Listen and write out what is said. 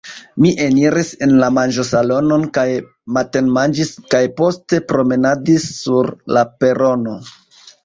Mi eniris en la manĝosalonon kaj matenmanĝis kaj poste promenadis sur la perono.